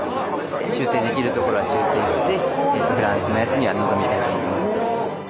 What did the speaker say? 修正できるところは修正してフランスのやつには臨みたいと思います。